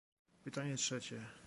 Pytanie trzecie